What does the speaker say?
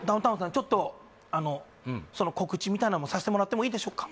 ちょっとあの告知みたいなのさせてもらってもいいでしょうか？